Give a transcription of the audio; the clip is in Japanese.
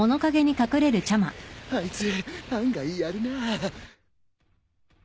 あいつ案外やるなぁ。